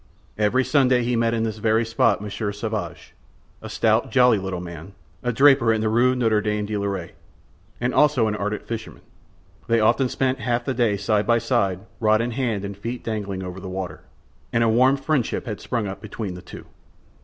Every Sunday he met in this very spot Monsieur Sauvage, a stout, jolly, little man, a draper in the Rue Notre Dame de Lorette, and also an ardent fisherman. They often spent half the day side by side, rod in hand and feet dangling over the water, and a warm friendship had sprung up between the two.